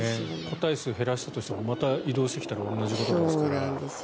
個体数を減らしたとしてもまた移動してきたら同じことですから。